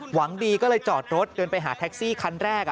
หวังดีก็เลยจอดรถเดินไปหาแท็กซี่คันแรก